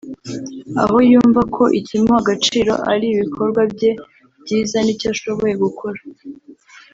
aho yumva ko ikimuha agaciro ali ibikorwa bye byiza n’icyo ashoboye gukora